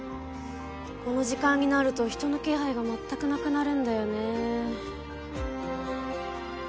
この時間になると人の気配が全くなくなるんだよね。